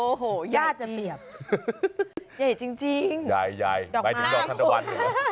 โอ้โหหน้าจะเหลี่ยบเย่จริงได้มาก